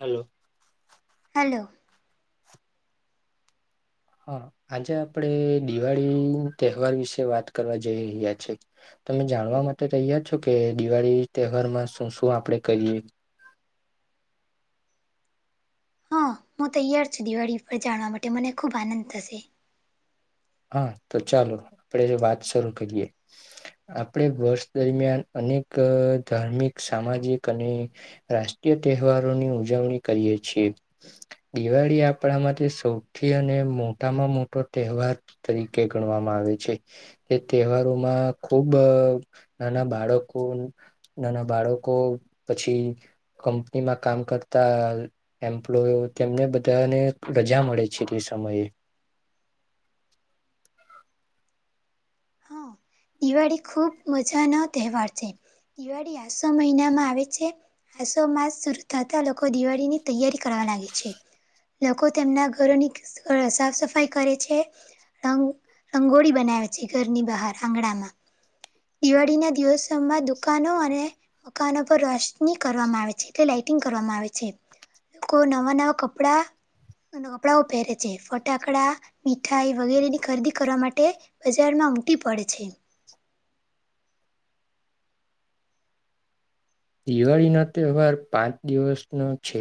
Hello.. hello.. હા આજે આપડે દિવાળી તહેવાર વિશે વાત કરવા જઈ રહ્યા છે.. તમે જાણવા માટે તૈયાર છો કે દિવાળી તહેવારમાં શું શું આપણેે કહીએ.. હં હું તૈયાર છું દિવાળી પર જાણવા માટે મને ખૂબ આનંદ થશે.. હા તો ચાલો આપડે જે વાત શરૂ કરીએ.. આપણે વર્ષ દરમિયાન અનેક ધાર્મિક સામાજિક અને.. રાષ્ટ્રીય તહેવારોની ઉજવણી કરીએ છીએ.. દિવાળી આપણા માટે સૌથી અને મોટામાં મોટો તહેવાર.. તરીકે ગણવામાં આવે છે.. તે તહેવારોમાં ખુબ નાના બાળકો.. નાના બાળકો પછી કંપનીમાં કામ કરતા.. એમ્પ્લોય તેમને બધાને રજા મળે છે તે સમયે.. હા દિવાળી ખૂબ મજાનો તહેવાર છે.. દિવાળી આસો મહિનામાં આવે છે.. આસો માસ શર થતા લોકો દિવાળી ની તૈયારી કરવા લાગે છે.. લોકો તેમના ઘરોની સાફ સફાઈ કરે છે.. રંગોળી બનાવે છે ઘરની બહાર આંગણામાં.. દિવાળી ના દિવસોમાં દુકાનો અને.. મકાનો પર રોશની કરવામાં આવે છે એટલે લાઇટિંગ કરવામાં આવે છે.. કો નવા નવા કપડાા.. કપડાંઓ પહેરે છે ફટાકડા મીઠાઈ વગેરેની ખરીદી કરવા માટે.. બજારમાં ઉમટી પડે છે.. દિવાળી ના તહેવાર પાંચ દિવસનો છે..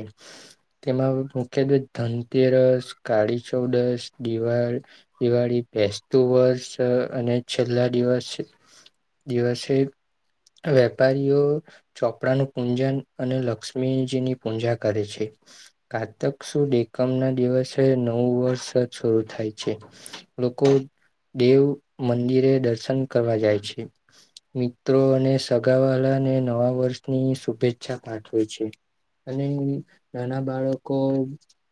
તેમાં મુખ્યત્વે ધનતેરસ કાળી ચૌદસ દિવાળ.. દિવાળી બેસતું વર્ષ અને છેલ્લા દિવસ.. દિવસે વેપારીઓ.. ચોપડાનુંું પૂજન અને લક્ષ્મીજીની પૂજા કરે છે.. કારાતક સુુ એકમ ના દિવસે નવું વર્ષ શરૂુ થાય છે.. લોકો દેવ મંદિરે દર્શન કરવા જાય છે.. મિત્રો અને સગાવાળાને નવા વર્ષની શુભેચ્છા પાઠવે છે.. અને નાના બાળકો..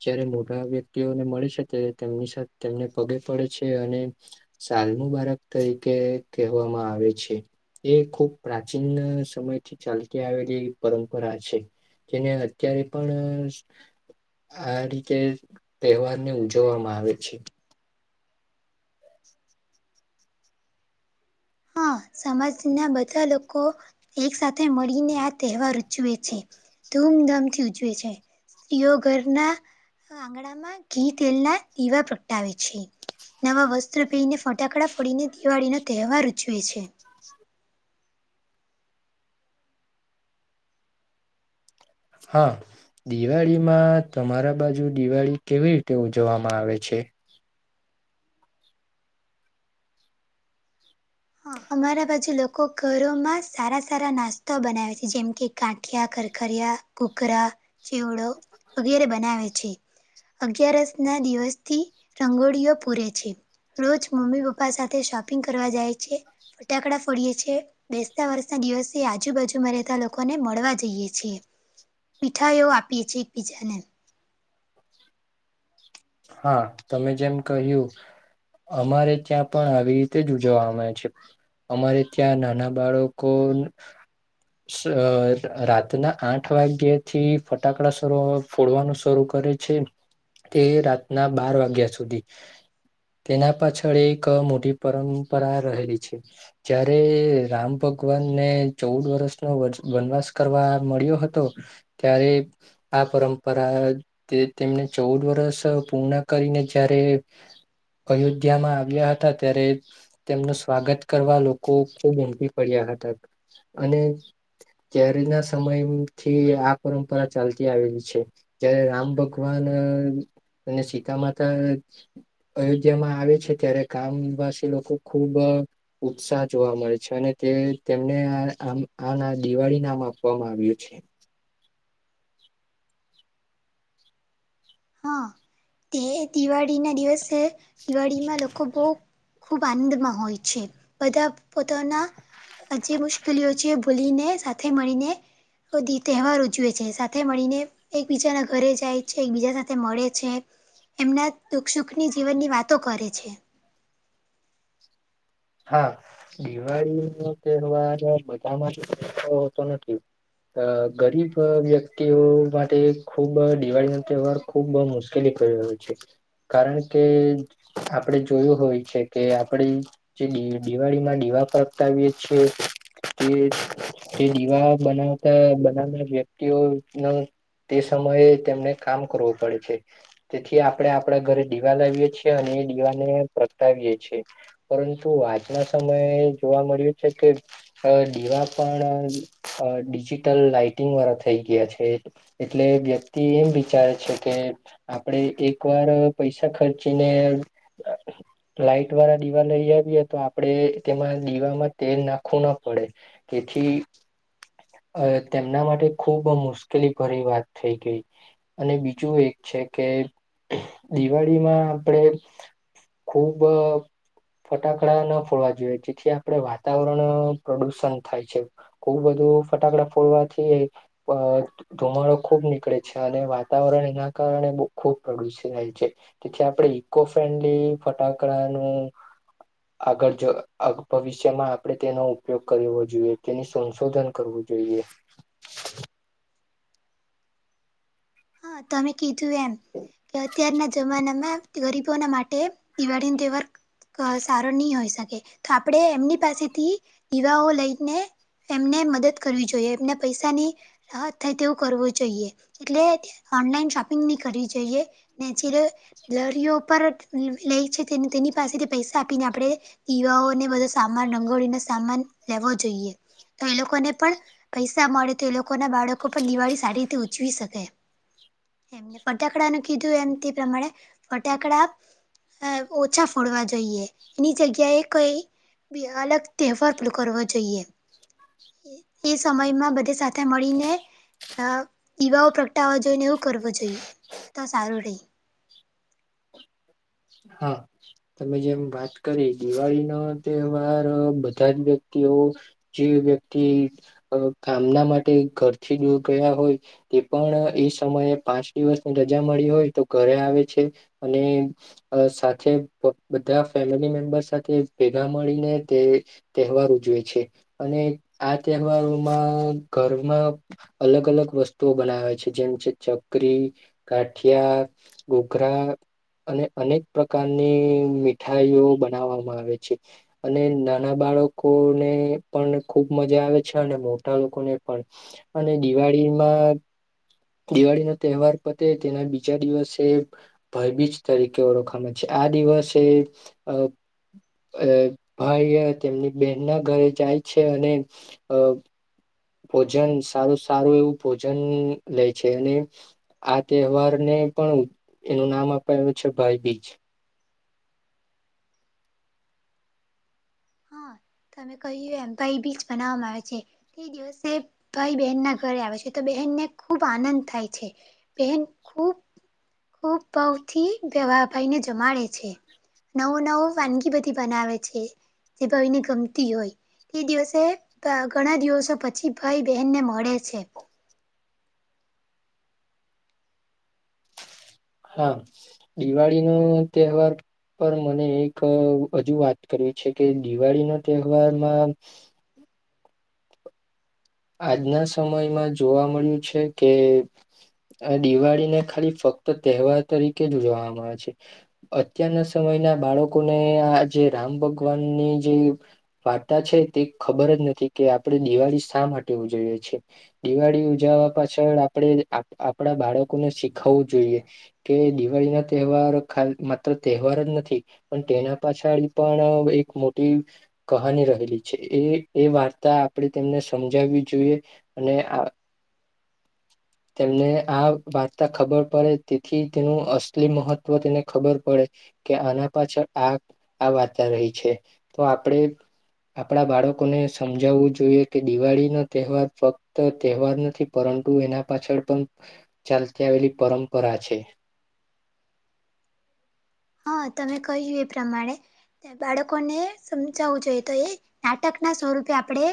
જયારે મોટા વ્યક્તિઓને મળે છે ત્યારે તેમની સાથે તેમને પગે પડે છે અને.. સાલ મુબારક તરીકે કહેવામાં આવે છે.. એ ખુબ પ્રાચીન સમયથી.. ચાલતી આવેલી પરંપરા છે જેને અત્યારે પણ.. આ રીતે તહેવાર ને ઉજવવામાં આવે છે.. હા સમાજના બધા લોકો એક સાથે મળીને આ તહેવાર.. ઉજવે છે ધૂમધામથી ઉજવે છે સ્ત્રીઓ ઘરના.. આંગણામાં ઘી તેલ ના દીવા પ્રગટાવે છે.. નવા વસ્ત્ર પીને ફટાકડા ફરીડીને દિવાળી નો તહેવાર ઉજવે છે.. હા.. દિવાળીમાં તમારા બાજુ દિવાળી કેવી રીતે ઉજવવામાં આવે છે.. હા અમારા બાજુ લોકો ઘરોમાં સારા સારા નાસ્તા બનાવે છે જેમ કે.. ગાંઠિયા કરખરિયા કુકરા ચીવડો વગેરે બનાવે છે.. અગિયારસ ના દિવસથી રંગોળીઓ પૂરે છે.. રોજ મમ્મી પપ્પા સાથે શોપિંગ કરવા જાય છે ફટાકડા ફોડીએ છે.. બેસતા વર્ષના દિવસે આજુબાજુમાં રહેતા લોકોને મળવા જઈએ છીએ.. મીઠાઈઓ આપીએ છીએ એકબીજાને હા, તમે જેમ કહ્યું. અમારે ત્યાં પણ આવી રીતે જ ઉજવામાં આવે છે. અમારે ત્યાં નાના બાળકોને સ રાતના આઠ વાગ્યે થી ફટાકડા સ [unintelligible] ફોડવાનું શરૂ કરે છે. તે રાતના બાર વાગ્યા સુધી. તેના પાછળ એક મોટી પરંપરા રહેલી છે. જયારે રામ ભગવાનને ચૌદ વર્ષનો વનવાસ કરવા મળ્યો હતો. ત્યારે આ પરંપરા તે તેમને ચૌદ વરષ પૂર્ણ કરીને જયારે અયોધ્યામાં આવ્યા હતા ત્યારે તેમનું સ્વાગત કરવા લોકો ખૂબ ઉમડી પડ્યા હતા. અને ત્યારે ના સમયથી આ પરંપરા ચાલતી આવેલી છે. જય્યારે રામ ભગવાન અને સીતા માતા અયોધ્યામાં આવે છે ત્યારે ગામવાસી લોકો ખુબ ઉત્સાહ જોવા મળે છે. અને તે તેમને આ આમ આ [unintelligible] દિવાળી નામ આપવામાં આવ્યું છે. હા, તે દિવાળી ના દિવસે દિવાળીમાં લોકો બઉ ખૂબ આનંદમાં હોય છે. બધા પોતાના આ જે મુશ્કેલીઓ છે ભૂલીને સાથે મળીને બધી તહેવાર ઉજવે છે સાથે મળીને એકબીજાના ઘરે જાય છે એકબીજા સા તે મળે છે. એમના દુઃખ સુખની જીવનની વાતો કરે છે. હા, દિવાળી નો તહેવાર બધામાં [inaudible] હોતો નથી. અ ગરીબ વ્યક્તિઓ માટે ખુબ દિવાળી ન તહેવાર ખુબ બહ મુશ્કેલી [unintelligible] છે. કારણ કે આપડે જોયું હોય છે કે આપડી જે દિવાળી માં દીવા પ્રગટાવીયે છીએ. તે દીવા બનાવતા બનાવનાર વ્યક્તિઓ ન તે સમયે તેમને કામ કરવું પડે છે. તેથી આપણે આપડા ઘરે ડીવા લાવીએ છે અને એ ડીવાને પ્રગટાવીએે છે. પરંતુ આજના સમયે જોવા મળ્યું છે કે અ ડીવા પણ અ ડિજિટલ લાાઈટિંગ વારા થઈ ગયા છે. એટલે વ્યક્તિ એમ વિચારે છે કે આપડે એક વાર પૈસા ખર્ચીને લાાઈટ વારા દીવા લઈ આવીએ તો આપડે તેમાં દીવામાં તેલ નાખવું ના પડે. કેથી અ તેમના માટે ખુબ મુશ્કેલી ભરી વાત થઈ ગેઈ. અને બીજું એક છે કે દિવાળીમાં આપડે ખૂબ ફટાકડા ન ફોડવા જોઈએ જેથી આપણે વાતાવરણ પ્રડુષણ થાય છે. ખુબ બધું ફટાકડા ફોડવાથીયે પ ધુમાડો ખુબ નીકળે છે. અને વાતાવરણ એના કારણે બ ખુબ પ્રડુષિત થાય છે. તેથી આપણે ઈકો ફ્રેન્ડલી ફટાકડાનું આગળ જ [unintelligible] ભવિષ્યમાં આપણે તેનો ઉપયોગ કરવો જોઈએ તેની સંશોધન કરવું જોઈએ. હા, તમે કીધું એમ કે અત્યારના જમાનામાં તે ગરીબોના માટે દિવાળીન તહેવાર ક સારો ની હોય શકે તો આપડે એમની પાસેથી દીવાઓ લઈને એમને મદદ કરવી જોઈએ. એમને પૈસાની રાહત થાય તેવું કરવું જોઈએ. એટલે ઓનલાઈન શોપિંગ ની કરવી જોઈએ. નેચરલ [unintelligible] લઈ છે, તેને તેની પાસેથી પૈસા આપીને આપડે યુવાઓને બધો સામાન રંગોળીનો સામાન લેવો જોઈએ. તો એ લોકોને પણ પૈસા મળે તો એ લોકો ના બાળકો પણ દિવાળી સારી રીતે ઉજવી શકે. એમને ફટાકડાનું કીધું એમ તે પ્રમાણે ફટાકડા અ ઓછા ફોડવા જોઈએ એની જગ્યાએ કોઈ. બે અલગ તહેવાર પણ કરવા જોઈએ. એ સમયમાં બધે સાથે મળીને યુવાઓ અટાવવા જોઈને એવું કરવો જોઈએ તો સારું રહે. હા તમે જેમ વાત કરી દિવાળી ના તહેવાર બધા જ વ્યક્તિઓ જે વ્યક્તિ કામના માટે ઘરથી દૂર ગયા હોય તે પણ એ સમયે પાંચ દિવસની રજા મળી હોય તો ઘરે આવે છે. અને અ સાથે બધા ફેમિલી મેમ્બર સાથે ભેગા મળીને તે તહેવાર ઉજવે છે અને આ તહેવારોમાં ઘરમાં અલગ અલગ વસ્તુઓ બનાવે છે જેમ છે ચકરી ગાઠિયા ઘૂઘરા અને અનેક પ્રકારની મીઠાઈઓ બનાવવામાં આવે છે. અને નાના બાળકોને પણ ખુબ મજા આવે છે અને મોટા લોકોને પણ અને દિવાળીમાં દિવાળીનો તહેવાર પતે તેના બીજા દિવસે ભાઈબીજ તરીકે ઓળખવામાં છે આ દિવસે અ ભાઈ તેમની બહેનના ઘરે જાય છે અને અ ભોજન સારું સારું એવું ભોજન લે છે અને આ તહેવાર ને પણ એનું નામ આપાયેલું છે ભાઈબીજ હા તમે કહ્યું એમ ભાઈબીજ મનાવવામાં આવે છે. એ દિવસે ભાઈ બહેન ના ઘરે આવે છે તો બહેનને ખુબ આનંદ થાય છે. બેન ખૂબ ખૂબ ભાવથી પેલા ભાઈને જમાડે છે. નવું નવું વાનગી બધી બનાવે છે જે ભાઈ ને ગમતી હોય ઈ દિવસે ત્યાં ઘણા દિવસો પછી ભાઈ બહેનને મળે છે. હા દિવાળી નો તહેવાર પણ મને એક હજુ વાત કરવી છે કે દિવાળી ના તહેવારમાં આજના સમયમાં જોવા મળ્યું છે કે આ દિવાળી ને ખાલી ફક્ત તહેવાર તરીકે જ ઉજવામાં આવે છે. અત્યારના સમયના બાળકોને આ જે રામ ભગવાનની જે વાર્તા છે તે ખબર જ નથી કે આપણે દિવાળી શા માટે ઉજવીએ છીએ. દિવાળી ઉજવવા પાછળ આપણે આપણા બાળકોને શીખવવું જોઈએ. કે દિવાળી ના તહેવાર ખાલી માત્ર તહેવાર જ નથી. પણ તેના પાછળ પણ એક મોટી કહાની રહેલી છે એ એ વાર્તા આપણેે તેમને સમજાવી જોઈ અને આ તેમને આ વાર્તા ખબર પડે તેથી તેનું અસલી મહત્ત્વ તેને ખબર પડે કે આના પાછળ આ આ વાર્તા રહી છે તો આપણેે આપણા બાળકોને સમજાવવું જોઈએ કે દિવાળી નથ તહેવાર ફક્ત તહેવાર નથી પરંતુ એના પાછળ પણ ચાલતી આવેલી પરંપરા છે. હા તમે કહ્યું એ પ્રમાણે બાળકોને સમજાવવું જોઈએ તો એ નાટક ના સ્વરૂપે આપણે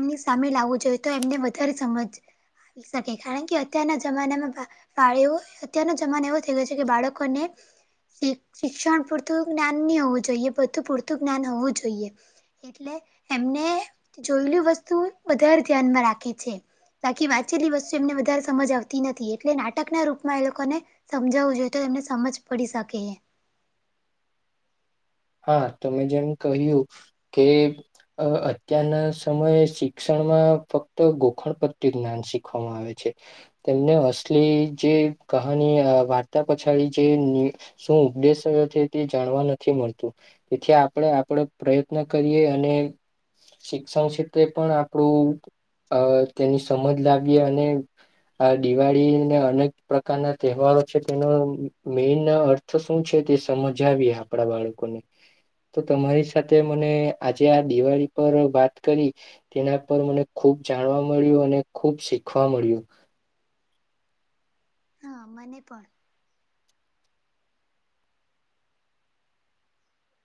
એમની સામે લાવું જોઈએ તો એમને વધારે સમજ [unintelligible] અત્યારના જમાનામાં [unintelligible] અત્યારનો જમાનો એવો થઈ ગયો છે કે બાળકોને શીખ શિક્ષણ પૂરતું જ્ઞાન ની હોવું જોઈએ બધું પૂરતું જ્ઞાન હોવું જોઈએ એટલે એમને જોયેલ વસ્તુ વધારે ધ્યાનમાં રાખી છે. બાકી વાંચેલી વસ્તુ એમને વધારે સમજ આવતી નથી એટલે નાટક ના રૂપમાં એ લોકોને સમજાવવું જોઈએ તો એમને સમજ પડી શકે હા તમે જેમ કહ્યું કે અત્યારના સમયે શિક્ષણમાં ફક્ત ગોખણ પ્રત્ય જ્ઞાન શીખવામાં આવે છે. તેમને અસલી જે કહાની વાર્તા પછાડી જે શું ઉપદેશયો છે તે જાણવા નથી મળતું તેથી આપણે આપડો પ્રયત્ન કરીએ અને શિક્ષણ ક્ષેત્રે પણ આપણું અ તેની સમજ લાવીએ અને આ દિવાળીને અનેક પ્રકારના તહેવારો છે તેનો મેન તો શું છે તે સમજાવીએ આપણા બાળકોને. તો તમારી સાથે મને આજે આ દિવાળી પર વાત કરી તેના પર મને ખુબ જાણવા મળ્યું અને ખુબ શીખવા મળ્યું હા મને પણ